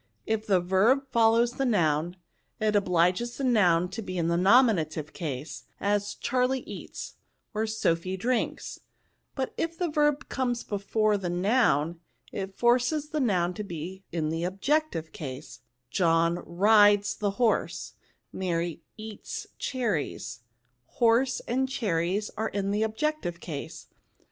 " If the verb follow the noun, it obliges the noun to be in the nominative case ; as, * Charles eats/ or * Sophy drinks 5' but if the verb come before the noun, it forces the noun to be in the objective case, ' John rides the horse,' * Mary eats cherries ;'* horse* and * cherries' are in the objective case.